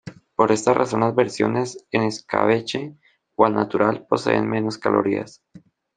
Por esta razón las versiones en escabeche o al natural poseen menos calorías.